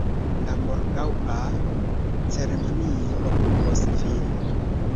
La morgaŭa ceremonio okupos vin.